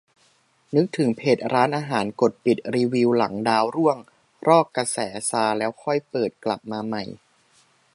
นึกถึงเพจร้านอาหารกดปิดรีวิวหลังดาวร่วง รอกระแสซาแล้วค่อยเปิดกลับมาใหม่